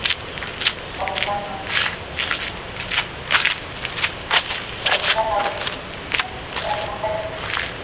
wavulana wengi huenda kuogelea baharini